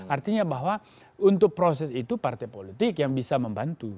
artinya bahwa untuk proses itu partai politik yang bisa membantu